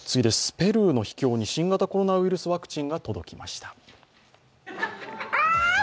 ペルーの秘境に新型コロナワクチンが届きました。